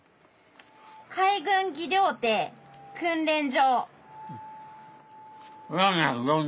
「海軍技療手訓練所」。